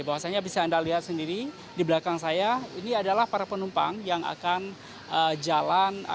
bahwasannya bisa anda lihat sendiri di belakang saya ini adalah para penumpang yang akan jalan